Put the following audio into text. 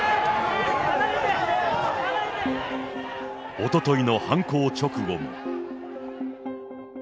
おとといの犯行直後も。